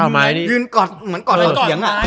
เหมือนก่อนเสาเถียง